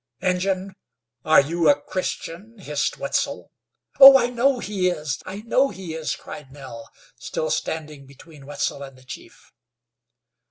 "Injun, are you a Christian?" hissed Wetzel. "Oh! I know he is! I know he is!" cried Nell, still standing between Wetzel and the chief.